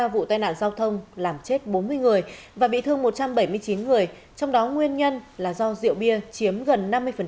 ba vụ tai nạn giao thông làm chết bốn mươi người và bị thương một trăm bảy mươi chín người trong đó nguyên nhân là do rượu bia chiếm gần năm mươi